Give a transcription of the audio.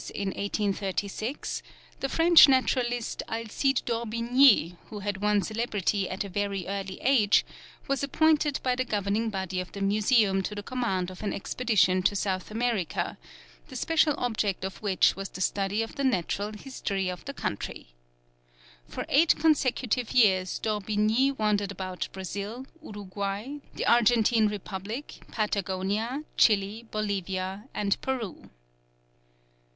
in 1836, the French naturalist Alcide d'Orbigny, who had won celebrity at a very early age, was appointed by the governing body of the Museum to the command of an expedition to South America, the special object of which was the study of the natural history of the country. For eight consecutive years D'Orbigny wandered about Brazil, Uruguay, the Argentine Republic, Patagonia, Chili, Bolivia, and Peru.